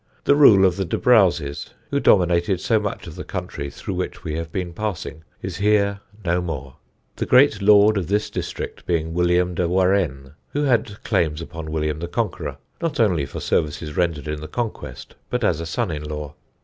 The rule of the de Braoses, who dominated so much of the country through which we have been passing, is here no more, the great lord of this district being William de Warenne, who had claims upon William the Conqueror, not only for services rendered in the Conquest but as a son in law.